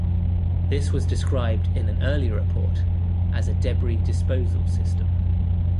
This was described in an earlier report as a "debris disposal system".